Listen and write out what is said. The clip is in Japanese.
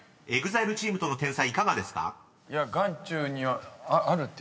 ＥＸＩＬＥチームとの点差いかがですか？］